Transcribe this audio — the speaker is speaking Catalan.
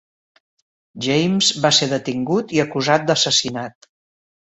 James va ser detingut i acusat d'assassinat.